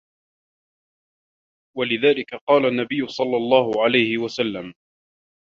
وَلِذَلِكَ قَالَ النَّبِيُّ صَلَّى اللَّهُ عَلَيْهِ وَسَلَّمَ